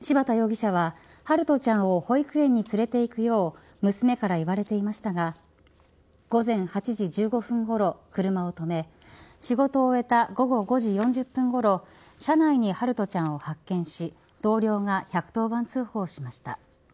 柴田容疑者は陽翔ちゃんを保育園に連れて行くよう娘から言われていましたが午前８時１５分ごろ、車を止め仕事を終えた午後５時４０分ごろ車内に陽翔ちゃんを発見し同僚が１１０番通報しました。